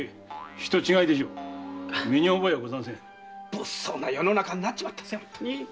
物騒な世の中になっちまったぜ。